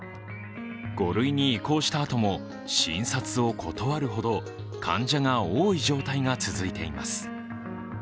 ５類に移行したあとも診察を断るほど患者が多い状態が続いています。